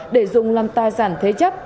để dùng làm tài sản thế chấp